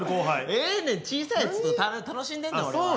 ええねん小さいやつと楽しんでんねん俺は。